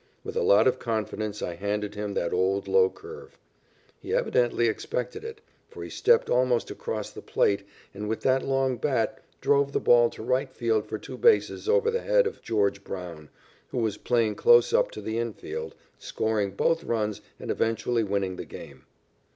With a lot of confidence I handed him that old low curve. He evidently expected it, for he stepped almost across the plate, and, with that long bat, drove the ball to right field for two bases over the head of George Browne, who was playing close up to the infield, scoring both runs and eventually winning the game.